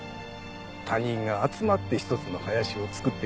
他人が集まって一つの林を作ってる。